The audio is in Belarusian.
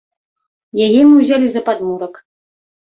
Яе мы ўзялі за падмурак.